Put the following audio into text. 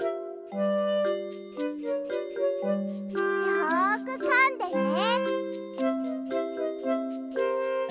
よくかんでね。